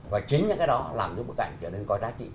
và chính những cái đó làm cho bức ảnh trở nên có giá trị